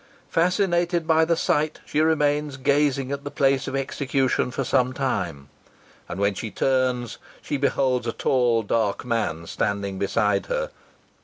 Fascinated by the sight, she remains gazing at the place of execution for some time, and when she turns, she beholds a tall dark man standing beside her.